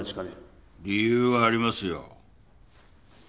・理由はありますよ。